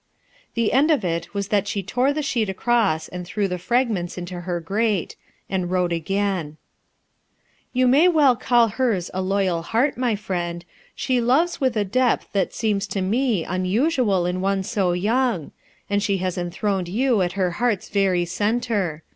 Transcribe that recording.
The end of it was that she tore the sheet across A LOYAL IIEABT 2§7 and threw the fragments into her grate An . wrote again :—' nu "You may well call hers a 'loyal heart/ my friend; she loves with a depth that seems to Z unusual m one so young; and she has en throned you at her heart's very centre.